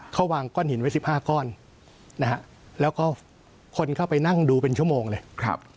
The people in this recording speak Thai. เขาวางก้อนหินไว้๑๕ก้อนนะฮะแล้วก็คนเข้าไปนั่งดูเป็นชั่วโมงเลยครับ